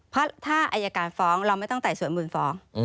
เพราะถ้าอายการฟ้องเราไม่ต้องไต่สวนมูลฟ้อง